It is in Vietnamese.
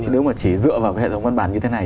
nếu mà chỉ dựa vào cái hệ thống văn bản như thế này